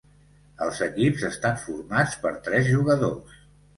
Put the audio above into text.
Els equips estan formats per tres jugadors.